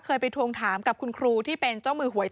เคยไปทวงถามกับคุณครูที่เป็นเจ้ามือหวยไต่ดิน